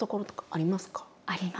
ありますね。